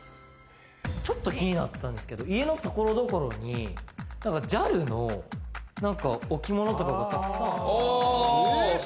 ちょっと気になったんですけど、家のところどころに、ＪＡＬの置物とかがたくさん。